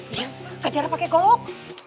iya kajalah pake golok